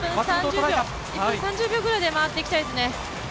１分３０秒くらいで回っていきたいですね。